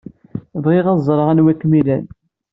Bɣiɣ ad ẓreɣ anwa ay kem-ilan.